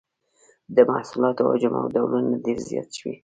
د محصولاتو حجم او ډولونه ډیر زیات شول.